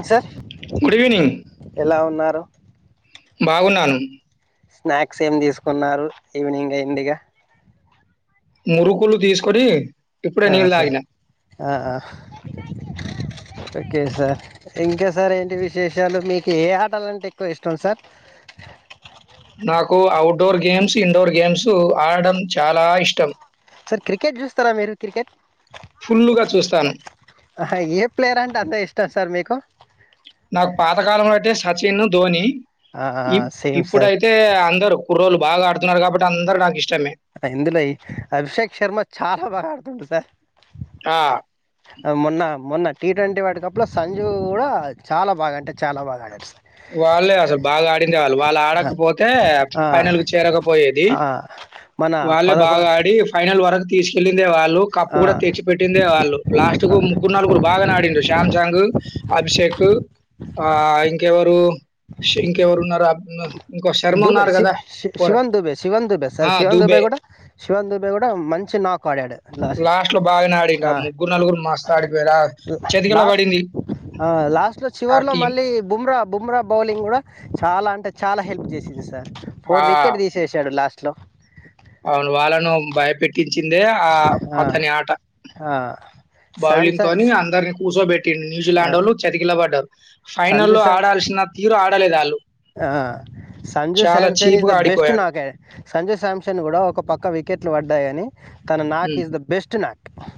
గ్ sir good evening. ఎలా ఉన్నారు. బాగున్నాను. స్నాక్స్ ఏమి తీసుకున్నారు ఈవినింగ్ అయిందిగా మురుకులు తీసుకొని ఇప్పుడే అ నీళ్ళు సరే తాగిన. ఆ ఆ ఓకే సార్ ఇంకా సార్ ఏంటి విశేషాలు మీకు ఏ ఆటాలంటే ఎక్కువ ఇష్టం సార్ నాకు ఔట్డోర్ గేమ్స్ ఇండోర్ గేమ్స్ ఆడడం చాలా ఇష్టం. సార్ క్రికెట్ చూస్తారా మీరు క్రికెట్ ఫుల్లుగా చూస్తాను. ఆహా, ఏ ప్లేయర్ అంటే అంతే ఇష్టం సార్ మీకు నాకు పాతకాలంలో అంటే సచిన్ ధోని ఆ, ఆ, ఇప్ సేమ్ సార్ ఇప్పుడైతే అందరూ కుర్రోళ్ళు బాగా ఆడుతున్నారు కాబట్టి అందరు నాకు ఇష్ ఇందులో ఈ అభిషేక్ శర్మ చాలా బాగా ఆడుతుండు సార్ ఆ! మొన్నా మొన్నా టీ ట్వంటీ వరల్డ్ కప్లో సంజీవ్ కూడా చాలా బాగా అంటె చాలా బాగా ఆడాడు సార్ వాళ్ళే అసలు బాగా ఆడిందే వాళ్ళు వాళ్ళు ఆ, ఆడకపోతే ఆ, ఫైనల్కు చేరకపోయేది. ఆ, మన వాళ్ళే పదకొండు బాగా ఆడి ఫైనల్ ల్ వరకు తీసుకెళ్ళి రే వాళ్ళు కప్పు కూడా తెచ్చి పెట్టిందే వాళ్ళు లాస్ట్కు ముగ్గురు నలుగురు బాగానే ఆడిండు శామ్సంగ్ అభిషేక్ ఆ ఇంకెవరు ఇంకెవరు ఉన్నారు అర్దం కాల దుబే శివన్ దుబే శివన్ దూబే సర ఆ! శివన్ దుబే 'దూబే' గూడ శివన్ దూబే కూడా మంచి నాకు ఆడాడు. లాస్ట్ లాస్ట్‌లో బాగానే ఆడిండు. ఆ ముగ్గురు, నలుగురు మస్తు ఆడిపోయారు. ఆ చేతికెళ్ళ లాస్ట్ పడింది లాస్ట్ లో ఆ చివర్ లో టీమ్. మళ్ళీ బుమ్రా బుమ్రా బౌలింగ్ గుడా చాలా అంటే చాలా హెల్ప్ చేసి చూస ఆ! ఫోర్ వికెట్ తీసేషాడు లాస్ట్ ట్లో అవును వాళ్ళను బయపెట్ చిందే ఆ అతని ఆట ఆ, బౌలింగ్ శాంసంగ్ తోని అందరిని కూర్చోబెట్టి ఆ, న్యూజిలాండోల్లు చతికిల్లబడ్డార్ ఫైనల్ సంజు లో శామ్ ఆడాల్సిన తీరు ఆడలేదు ఆళ్ళు ఆ సంజు సమ్సన్ ఇస్ చీప్‌గా ద బెస్ట్ ఆడిపోయారు. నాకె సంజు శామ్సన్ కూడా ఒక పక్క వికెట్లు పడ్డాయని తన నాక్ హ్మ్. ఇస్ ద బెస్ట్ నాక్ ఆ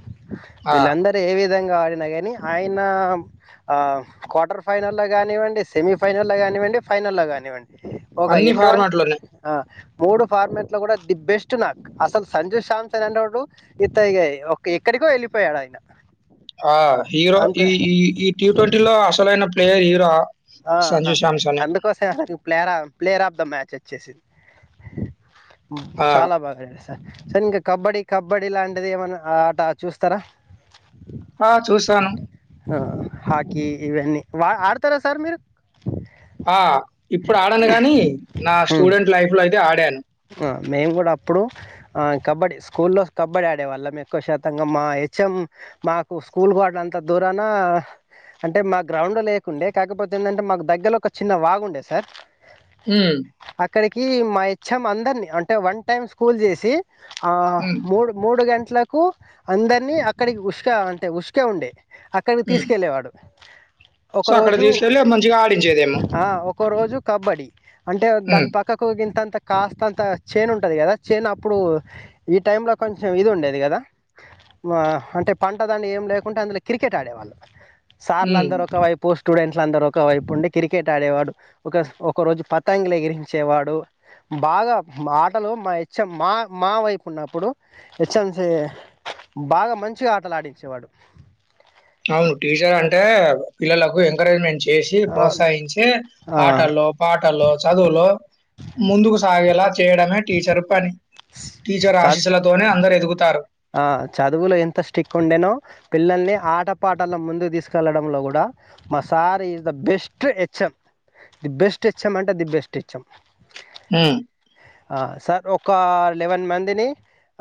ఆ! వీళ్లందరూ ఏవి విధంగా ఆడిన గాని ఆయన క్వార్టర్ ఫైనల్లో కానివ్వండి సెమీ ఫైనల్లో కానివ్వండి ఫైనల్లో గానివ్వండి ఒక అన్ని ఎటువంటి ఫార్మాట్‌లోనే. ఆ మూడు ఫార్మట్ లో గుడా ది బెస్ట్ నాక్ అసలు సంజయ్ శాంత్ అనేటోడు ఇత ఇగా ఎక్కడికో వెళ్ళిపోయాడు ఆయన ఆ హీరో అంత ఈ ఈ ఈ టీ ట్వంటీ లో అసలైన ప్లేయర్ హీరో ఆ సంజు శాంసనే. అందుకోసం అ ప్లేయర ప్లేయర్ ఆఫ్ ద మ్యాచ్ వచ్చేసింది ఇ ఆ! చాలా బాగా ఆడే ఇంకా కబడ్డీ కబడ్డీ లాంటిది ఏమైనా ఆట చూస్తరా ఆ! చూసాను. ఆ హాకీ ఇవన్నీ వా ఆ సార్ మీరు ఆ ఇప్పుడు ఆడను గాని నా స్టూడెంట్ లైఫ్ లో అయితే ఆడాను ఆ మేము గుడా అప్పుడు కబడ్డీ స్కూల్లో కబడ్డీ ఆడేవాళ్ళం ఎక్కువ శాతంగా మా హెచ్ఎమ్ మాకు స్కూల్గాడంత దూరాన అంటే మా గ్రౌండ్ లేకుండే కాకపోతే ఏంటంటే మాకు దగ్గర ఒక చిన్న వాగుండే సార్ హుమ్ అక్కడికి మ అందరిని అంటే వన్ టైమ్ స్కూల్ చేసి ఆ హ్మ్. మూడు మూడు గంట ఇంట్లకు అందరినీ అక్కడికి ఉస్క అంటే ఉస్క ఉండే అక్కడికి హ్మ్. తీసుకెళ్ళేవాడు సో అక్కడ ఒకరోజు తీసుకెళ్ళి మంచిగా ఆడించేదేమో. ఆ, ఒక రోజు కబడ్డీ అంటే హ్మ్. దాని పక్కకుగితంత కాస్త అంత చేన్ ఉంటది కదా. చేను అప్పుడు ఈ టైంలో కొంచెం ఇది ఉండేది కదా. మా అంటే పంట దానీ ఏం లేకుంటే అందులో క్రికెట్ ఆడేవాల్లాం. సార్ల హ్మ్. అందరుూ ఒక వైపోస్ట్ స్టూడెంట్లు అందరుూ ఒక వైపు ఉండి. క్రికెట్ ఆడేవాడు ఒక స్ ఒక రోజు పతంగులు ఎగిరించేవాడు. బాగా మా ఆటలు మా హెచ్. ఎం మా మా వైపు ఉన్నప్పుడు హెచ్. ఎం జె బాగా మంచిగా ఆటలు ఆడించేవాడు. అవును టీచర్ అంటే పిల్లలకు ఎంకరేజ్మెంట్ చేసి ఆ, ప్రోత్సహించే ఆ, ఆటల్లో, పాటల్లో, చదువులో ముందుకు సాగేలా చేయడమే టీచర్ పని టీచర్ చ- ఆశీసులతోనే అందరు ఎదుగుతారు ఆ చదువులో ఎంత స్టిక్ ఉండేనో పిల్లల్ని ఆట పాటల ముందుకు తీసుకెళ్లడంలో గుడా మా sir is the best HM the best HM అంటే ది బెస్ట్ హెచ్ఎమ్ ఆహ్ ఆ సార్ ఒక లెవెన్ మందిని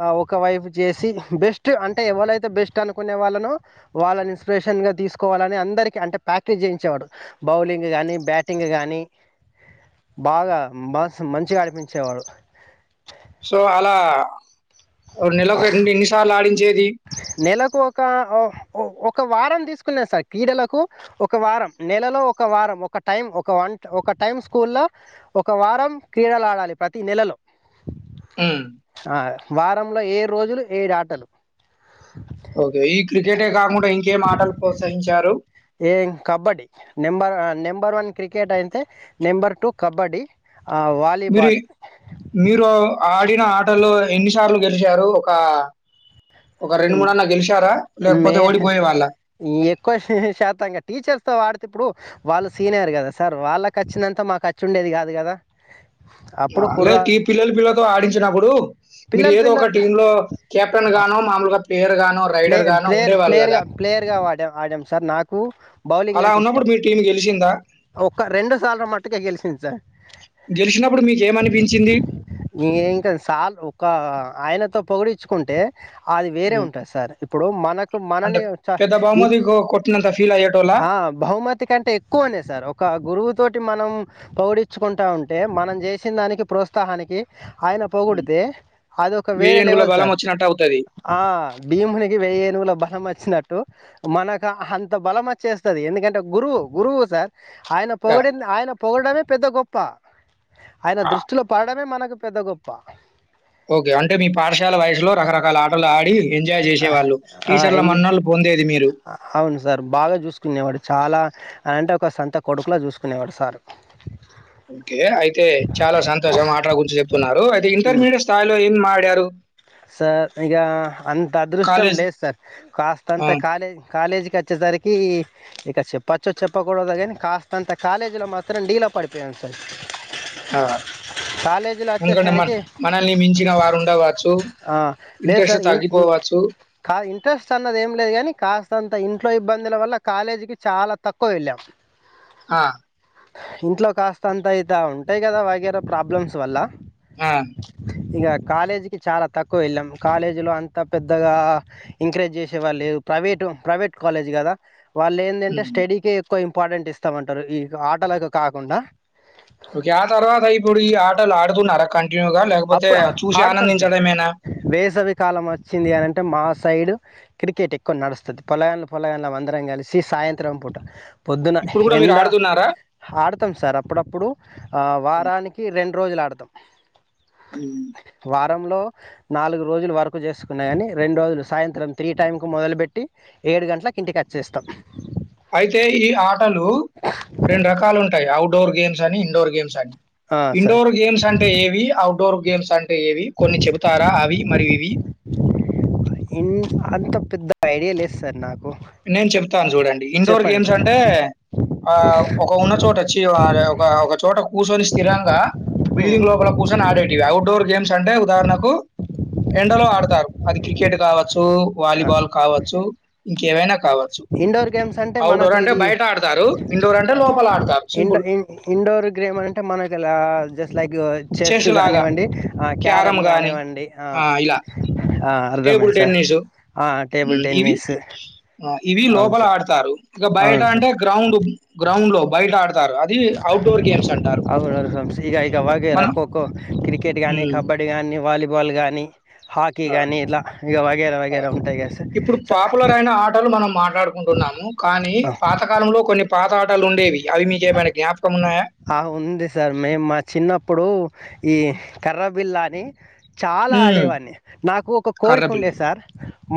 ఆ ఒక వైఫ్ చేసి బెస్ట్ అంటే ఎవలైతే బెస్ట్ అనుకునే వాళ్ళనో వాళ్ళని ఇన్స్పిరేషన్గా తీసుకోవాలని అందరికీ. అంటే ప్రాక్టీస్ చేయించేవాడు బౌలింగ్ కానీ, బ్యాటింగ్ కానీ, బాగా మాస్ మంచిగా అడిపించేవాడు. సో అలా ఒక నెల ఎన్ని సార్ల ఆడింది. ఏది నెలకు ఒక ఓ ఒక్ ఒక వారం తీసుకున్నా సార్ క్రీడలకు ఒక వారం. నెలలో ఒక వారం ఒక టైం ఒక వన్ ఒక టైం స్కూ లో ఒక వారం క్రీడలు ఆడాలి. ప్రతి నెలలో ఉహ్మ్ ఆ, వారంలో ఏడ్రోజులు ఏడు ఆటలు ఓకే ఈ క్రికెటే కాకుండా ఇంకేం ఆటలు ప్రోత్సహించారు. ఏం kabaddi number number one cricket అయితే నెంబర్ టూ కబడ్డీ. ఆ, మీరి వాలీబాల్ మీరు ఆడిన, ఆటలు ఎన్నిసార్లు గెలిచారు. ఒక ఒక ఉహ్మ్ అన్నా గెలిచారా? మే లేకపోతే ఓడిపోయేవాళ్ళా? ఎక్కువ శాతంగా టీచర్స్ తో ఆడుత్ తే ఇప్పుడు వాళ్ళు సీనియర్ కదా సార్. వాళ్ళకు వచ్చిినంతా మాకుఖచ్చి ఉండేది కాదు కదా. అప్పుడు కుర్ర అలాంటి పిల్లలు, పిల్లలతో ఆడించినప్పుడు. మీరు పిల్లలు ఏదో ఒక పిల్ల టీం లో కెప్టెన్ గానో మామూలుగా. ప్లేయర్ గానో, ప్లే రైడర్ గానో ప్లేయర్ ఉండేవాళ్ళు గదా! ప్లేయర్గా ప్లేయర్గాడ ఆడాం సార్. నాకు బౌలింగ్ అలా అంటే ఇష్టం. ఉన్నప్పుడు మీ టీమ్ గెలిసిందా? ఒక రెండు సార్లు మటుకే గెలిసింది సార్. గెలిచినప్పుడు మీకేమనిపించింది. ఇ ఇంకా సాల్ ఒక ఆయనతో పొగిడిచ్చుకుంటే. అది వేరే హ్మ్. ఉంటద్ సార్ ఇప్పుడు మనకు అంటే మనని ఉచ్ పెద్ద తి బహుమతి కొ కొట్టినంత ఫీల్ అయ్యేటోళ్ళా? ఆహ్ బహుమతి కంటే ఎక్కువనే సార్. ఒక గురువుతోట్ టి మనం పౌడిచ్చుకుంటా ఉంటే. మనం చేసిన దానికి ప్రోత్సాహానికి. ఆయన హ్మ్. పొగుడితే అదిక వెయ్యి వేరే ఏనుగుల లెవెల్ బలం సార్ వచ్చినట్టు అవుతది. ఆ భీమునికి వెయ్యేనువుల బలం వచ్చినట్టు మనకు అంత బలం వచ్చేస్తుంది ఎందుకంటే గురువు గురువు సార్ ఆయన ఆ! పొగిడింది ఆయన పోగడమే పెద్ద గొప్ప ఆయన ఆ! దృష్టిలో పడమే మనకు పెద్ద గొప్ప ఓకే అంటే మీ పాఠశాల వయసులో రకరకాల ఆటలు ఆడి ఎంజాయ్ ఆ జేసేవాళ్ళు. ఆ టీచర్‌ల ఎంజ మన్ననలు పొందేది మీరు. అవును సార్ బాగా చూసుకునేవాడు చాలా అలాంటే ఒక సంత కొడుకులో చూసుకునేవాడు సారు ఓకే అయితే చాలా సంతోషం ఆటలా గురించి చెప్తున్నారు. అయితే ఉమ్. ఇంటర్మీడియట్ స్థాయిలో ఏం ఆడ్ టారు సార్ ఇక అంత అదృష్టం కాలేజ్ లేదు సార్ కాస్త ఆ! అంత కాలే కాలేజీకి వచ్చేసరికి ఇక చెప్పచ్చు చెప్పకూడదు కానీ కాస్త అంత కాలేజీలో మాత్రం డీలో పడిపోయాను సార్ ఆ కాలేజీలో ఎందుకంటే మన వచ్చేసరికి మనల్ని మించిన వారు ఉండవచ్చు ఆ లేదు సార్ ఇన్ ఇంట్రెస్ట్ అన్నది ఏం లేదు కానీ కాస్త అంత ఇంట్లో ఇబ్బందుల వల్ల కాలేజీకి చాలా తక్కువ వెళ్ళాం ఆ ఇంట్లో కాస్త అంత అయిత ఉంటాయి కదా వగైర ప్రాబ్లమ్స్ వల్ల ఆ ఇక కాలేజ్ కి చాలా తక్కువ వెళ్ళాం కాలేజీలో అంతా పెద్దగా ఎంకరేజ్ చేసేవాళ్ళు లే ప్రైవేటు ప్రైవేట్ కాలేజ్ కదా వాళ్ళ ఏందంటె హ్మ్. స్టడీ కే ఎక్ ఎక్కువ ఇంపార్టెంట్ ఇస్తామంటారు ఈ ఆటలకు కాకుండా ఓకే ఆ తర్వాత ఇప్పుడు ఈ ఆటలు ఆడుతున్నార కంట్ అప్పుడు ఆడతాం సార్ వేసవి కాలం వచ్చింది అనింటే మా సైడు క్రికెట్ ఎక్కువ నడుస్తుంది పొలయన్లం పొలయన్లం అందరం కలిసి సాయంత్రం పూట పొద్దున ఇప్పుడు గూడా మీరు ఎండ ఆడుతున్నారా? ఆడుతాం సార్ అప్పుడప్పుడు వారానికి రెండు రోజులు ఆడుతాం మ్మ్ రంలో నాలుగు రోజులు వర్క్ చేసుకున్నా కాని రెండు రోజులు సాయంత్రం త్రీ టైమ్కి మొదలుపెట్టి ఏడు గంటలకి ఇంటికి వచ్చేస్తాం ఉ రెండు రకాలు ఉంటాయి అవుట్ డోర్ గేమ్స్ అని ఇండోర్ గేమ్స్ అని సార్ ఇండోర్ గేమ్స్ అంటే ఏవి అవు డోర్ గేమ్స్ అం ఏవి కొన్ని చెబుతారా అవి మరి ఇవి ఇ అంత పెద్ద ఐడియా లేదు సార్ నాకు నేన్ చెప్తాను చూడండి ఇండోర్ చెప్పండి గేమ్స్ సార్ అంటే ఆ ఒక ఉన్న చోట వచ్చి ఒక ఒక చోట కూర్చొని స్థిరంగా బిల్డింగ్ లోపల కూర్చొని ఆడేటివి ఔట్ డోర్ గేమ్స్ అంటే ఉదాహరణకు ఎండలో ఆడతారు అది క్రికెట్ కావచ్చు కో వాలీబాల్ కావచ్చు. కేవైనా ఇండోర్ గేమ్స్ అంటే మనకు ఇది బయట ఆడతారు. ఇండోర్ అంటే లోపల ఆడతారు. ఇండో సింపుల్. ఇ ఇండోర్ గేమ్ అంటే మనకులా జస్ట్ లైక్ చెస్ గానివ్వండి, ఆ క్యారమ్ గానివ్వండి ఆ ఆ టేబుల్ అర్థమైంది సార్ టెన్నిసు. ఆ టేబుల్ హ్మ్. ఇవి టెన్నిస్ ఆ! ఇవి అవును లోపల సార్ ఆడతారు ఇక బయట అవును సార్ అంటే గ్రౌండ్ గ్రౌండ్ లో బయట ఆడత్ అది ఔట్డోర్ గేమ్స్ అంటారు మాకెరా మనం ఖోఖో, క్రికెట్ హ్మ్. గాని, కబడ్డీ గానీ, వాలీబాల్ ఫుట్బాల్ గాని హాకీ హ్మ్. ఆ! గానీ ఇలా ఇగ వగేర ఆ! వగేర ఉంటయి గద సార్ ఆట ఆడుకుంటున్నాము కానీ పాతకాలంలో కొన్ని పాత ఆటలుండేవి అవి మీకేమైనా జ్ఞాపకం ఉన్నాయా ఆ ఉంది సార్ మేము మా చిన్నప్పుడు ఈ కర్ర బిల్లా అని చాలా హ్మ్. ఆడేవాన్ని నాకు ఒక కోరిక కర్రబిల్ల. ఉండే సార్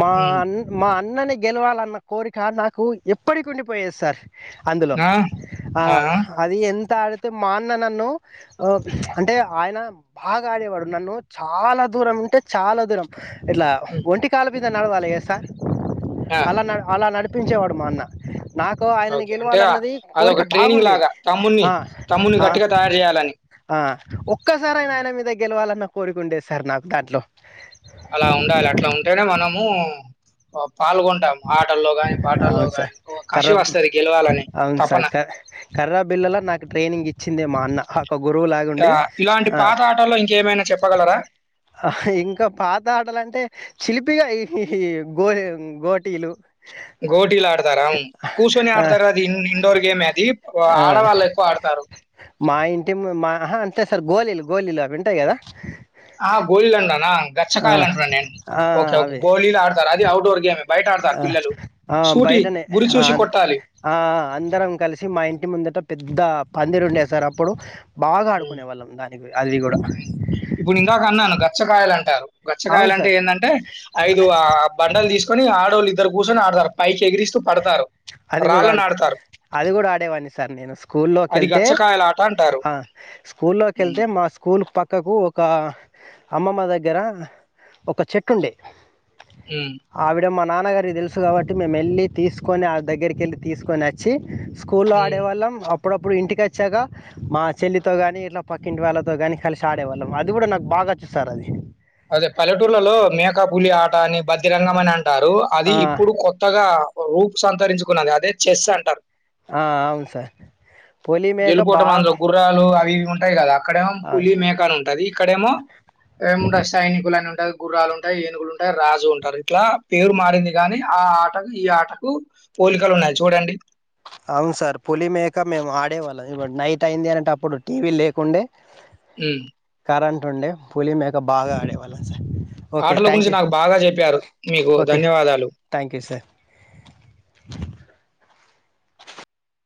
మా హ్మ్. అన్ మా అన్ కానీ గెలవాలన్న కోరిక నాకు ఎప్పటికి ఉండిపోయేది సార్ అందులో ఆ! ఆ అది ఎం త ఆడితే మా అన్న నన్ను అంటే ఆయన బాగా ఆడేవాడు నన్ను చాలా దూరం అంటే చాలా దూరం ఇట్లా హ్మ్. ఒంటి కాల మీద నడవాలే ఎస్స ఆ! అలా నడ్ అలా నడ్ ఒప్పించేవాడు మా అన్న నాకు ఆయనని ఓకే. అంటే ఆ- గెలవాలన్నది అదొక కోరిక ట్రైనింగ్ బాగుండేది లాగా తమ్ముడిని, ఆ తమ్ముడిని గట్టిగా తయారు చేయాలని. ఆ ఒక్కసారైనా ఆయన మీద గెల్ గెలవాలన్న కోరుకుండేది సార్ నాకు దాంట్లో అలా ఉండాలి అట్ల ఉంటేనే మనము పాల్గొంటాం ఆటల్లో గాని, పాటల్లో అవును సార్ గాని. ఒక కసి కర్రా వస్తది గెలవాలని అవును సార్ తపన. క కర్రా బిల్లలో నాకు ట్రైనింగ్ ఇచ్చిందే మా నా హా ఆ ఇలాంటి పాత ఆటల్లో ఇంకేమైనా చెప్పగలరా ఆ ఇంకా పాత ఆటలంటే చిలిపిగా ఇహి హి గో గోటిలు గోటీలు ఆడతారా కూర్చొని ఆ ఆడతారు అది ఇ ఇండోర్ గేమ్ అది ఆ ఆడవాళ్ళు ఎక్కువ ఆడతారు మా ఇంటి మా ఆహా అంతే సార్ గోలిలు గోలీలు అవి ఉంటాయి కదా ఆ గోలిలండన ఆ గచ్చకాయలు అంటారండి ఆ ఓకే ఓకే అవే గోలీలు ఆడతారు అది అఔట్డోర్ గేమ్ ఆ ఆ బయటనే గురి ఆ చూసి కొట్టాలి. ఆ అందరం కలిసి మా ఇంటి ముందట పెద్ద పందిరు ఉండేసారు అప్పుడు బాగా హ్మ్. ఆడుకునే వాళ్ళం దానికి అది కూడా పచ్చకాయలంటారు అవును గచ్చకాయలంటే సార్ ఎందంటే ఐదు ఆ బండల్ తీస్కొని ఆడోళ్ కుసోని ఆడ్ పైచ్ అది కూడా ఆడుత ఆడతారు అది కూడా ఆడేవాన్ని సార్ నేను స్కూల్లోకి అది వెళ్తే గచ్చకాయల ఆట అంటారు ఆ స్కూల్ లోకి హ్మ్ వెళ్తే మా స్కూల్ స్కూల్ పక్కకు ఒక అమ్మమ్మ దగ్గర ఒక చెట్టు ఉండే హ్మ్ ఆవిడ మ నాన్నగారికి తెలుసు కాబట్టి మేము ఎన్ని తీసుకొని ఆ దగ్గరికి వెళ్ళి తీసుకొని ఓచ్చి స్కూల్లో హ్మ్ ఆడేవాళ్ళం అప్పుడప్పుడు ఇంటికోచ్చాక మా చెల్లితో కాని ఇట్లా పక్కింటి వాళ్ళతో కాని కలిసి ఆడేవాళ్ళం అది కూడా నాకు బాగొచ్చు సార్ అది అదే పలెటూర్లోలో మ్యేకపులి ఆట అని బదిరంగం అని అంటారు అది ఆ, ఇప్పుడు కొత్తగా రూపు సంతరించుకున్నది అదే చెస్ అంటారు ఆ, అవును సార్ పులి మేక గెలుపోటమి బాగా అందులో గుర్రాలు అవి ఇవి ఉంటాయి కదా అక్కడేమో పులి మేకా అని ఉంటాది ఇక్కడేమో ఏముంట కులని ఉంటాయి గుర్రాలు ఉంటాయి ఏనుగులు ఉంటాయి రాజు ఉంటారు ఇట్లా పేరు మారింది కాగాని ఆ ఆటకు ఈ ఆటకు పోలికలు ఉన్నాయి చూడండి అవును సార్ పులి మేక మేము ఆడేవాళ్ళం ఈవెన్ నైట్ అయింది అనంటే అప్పుడు టీవీ లేకుండే ఉమ్ కరెంటు ఉండే పులిమేక బాగా ఆడేవాళ్ళం సార్ ఓకే ఆటల థ్యాంక్ గురించి యూ నాకు బాగా చెప్పారు మీకు ఓకే ధన్యవాదాలు థ్యాంక్ యూ సార్